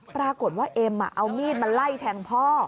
ปรากฏว่าเอ็มเอามีดมาไล่แทงพ่อ